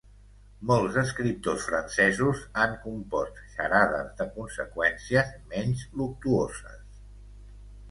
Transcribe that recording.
Molts escriptors francesos han compost xarades de conseqüències menys luctuoses.